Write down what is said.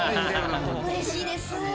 うれしいです。